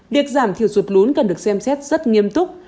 điệt giảm thiểu rụt lún cần được xem xét rất nghiêm túc